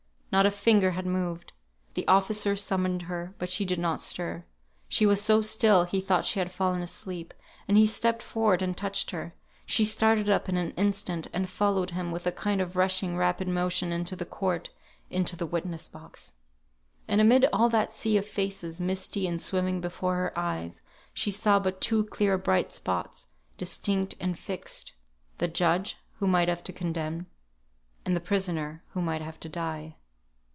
Not a finger had moved. The officer summoned her, but she did not stir. She was so still he thought she had fallen asleep, and he stepped forward and touched her. She started up in an instant, and followed him with a kind of rushing rapid motion into the court, into the witness box. And amid all that sea of faces, misty and swimming before her eyes, she saw but two clear bright spots, distinct and fixed: the judge, who might have to condemn; and the prisoner, who might have to die.